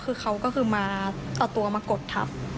คือเขาก็คือมาเอาตัวมากดทับ